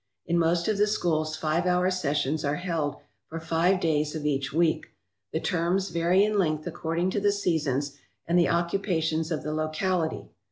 In most of the schools five hour sessions are held for five days of each week. The terms vary in length according to the seasons and the occupations of the locality.